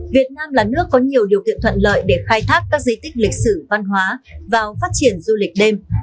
việt nam là nước có nhiều điều kiện thuận lợi để khai thác các di tích lịch sử văn hóa vào phát triển du lịch đêm